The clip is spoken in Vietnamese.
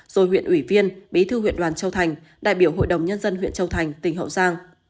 rồi huyện ủy viên bí thư huyện đoàn châu thành đại biểu hội đồng nhân dân huyện châu thành tỉnh hậu giang